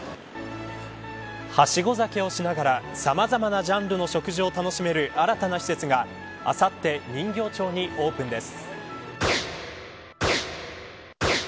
はしご酒をしながらさまざまなジャンルの食事を楽しめる新たな施設があさって人形町にオープンです。